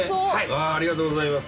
わあありがとうございます。